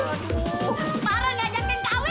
parah ngajakin kawir